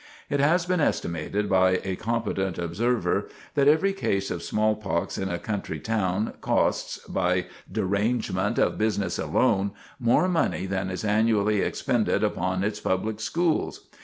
It has been estimated by a competent observer, that every case of smallpox in a country town costs, by derangement of business alone, more money than is annually expended upon its public schools.